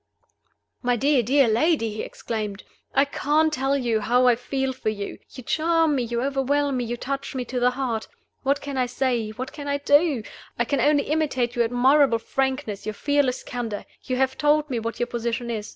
"My dear, dear lady!" he exclaimed, "I can't tell you how I feel for you! You charm me, you overwhelm me, you touch me to the heart. What can I say? What can I do? I can only imitate your admirable frankness, your fearless candor. You have told me what your position is.